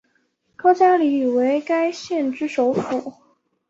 高加力为该县之首府。